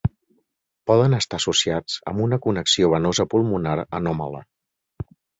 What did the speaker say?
Poden estar associats amb una connexió venosa pulmonar anòmala.